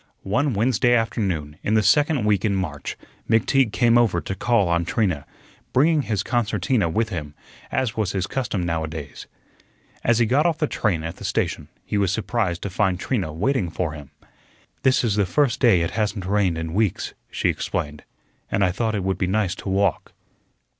One Wednesday afternoon in the second week in March McTeague came over to call on Trina, bringing his concertina with him, as was his custom nowadays. As he got off the train at the station he was surprised to find Trina waiting for him. "This is the first day it hasn't rained in weeks," she explained, "an' I thought it would be nice to walk."